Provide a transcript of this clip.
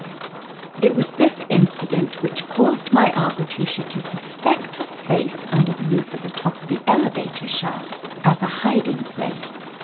It was this incident which caused my Aunt Letitia to sus pect a space under the roof at the top of the elevator shaft, as a hiding place.